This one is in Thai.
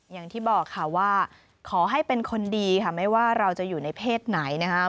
อย่างที่บอกค่ะว่าขอให้เป็นคนดีค่ะไม่ว่าเราจะอยู่ในเพศไหนนะครับ